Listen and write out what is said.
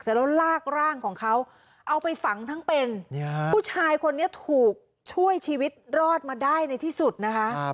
แล้วลากร่างของเขาเอาไปฝังทั้งเป็นผู้ชายคนนี้ถูกช่วยชีวิตรอดมาได้ในที่สุดนะคะ